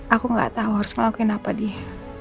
aku gak tau harus ngelakuin apa dee